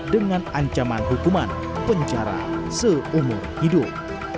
dengan ancaman hukuman penjara seumur hidup